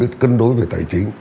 cân đối với tài chính